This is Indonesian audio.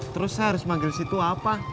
terus harus manggil si tua apa